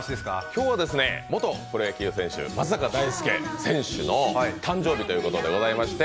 今日は、元プロ野球選手、松坂大輔選手の誕生日ということでございまして